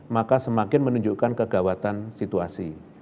maka semakin menunjukkan kegawatan situasi